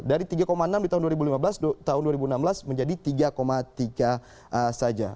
dari tiga enam di tahun dua ribu lima belas tahun dua ribu enam belas menjadi tiga tiga saja